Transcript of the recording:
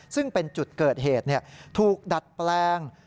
ซึ่งเป็นจุดเกิดเหตุถูกดัดแปลง